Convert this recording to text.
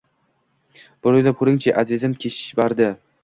Bir oʻylab koʻring-chi, azizim Kishvardi!